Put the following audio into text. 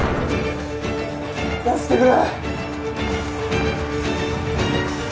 出してくれ！